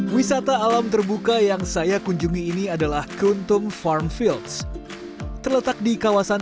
wisata alam terbuka yang saya kunjungi ini adalah keruntung farm fields terletak di kawasan